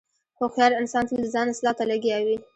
هوښیار انسان تل د ځان اصلاح ته لګیا وي.